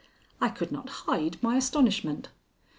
I could not hide my astonishment.